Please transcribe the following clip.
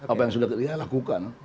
apa yang sudah dia lakukan